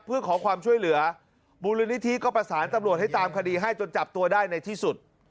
เพื่อขอความช่วยเหลือมูลนิธิก็ประสานตำรวจให้ตามคดีให้จนจับตัวได้ในที่สุด